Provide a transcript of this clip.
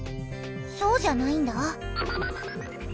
そうじゃないんだ。